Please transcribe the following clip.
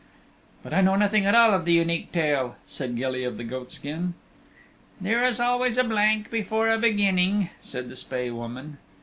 "But I know nothing at all of the Unique Tale," said Gilly of the Goatskin. "There is always a blank before a beginning," said the Spae Woman.